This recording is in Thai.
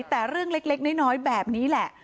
แต่เรื่องเล็กน้อยแบบนี้แหละ